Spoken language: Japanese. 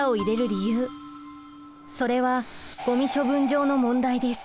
それはごみ処分場の問題です。